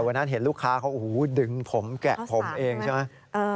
แต่วันนั้นเห็นลูกค้าเขาดึงผมแกะผมเองใช่ไหม